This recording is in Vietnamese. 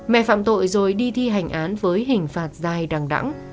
mẹ phạm tội rồi đi thi hành án với hình phạt dài đàng đẳng